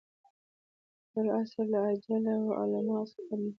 د خپل عصر له اجله وو علماوو څخه ګڼل کېدئ.